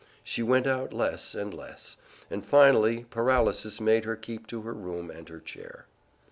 She went out less and less, and finally paralysis made her keep to her room and her chair.